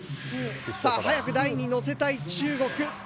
さあ早く台にのせたい中国。